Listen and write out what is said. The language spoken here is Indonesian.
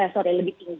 sorry lebih tinggi